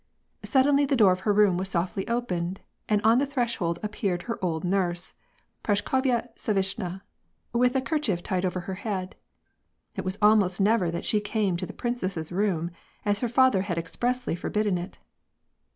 Suddenly the door of her room was softly opened, and on the threshold appeared her old nurse Praskovya Savishna, with a kerchief tied over her head; it was almost never that she came to the princess's room, as her father had expressly for bidden it.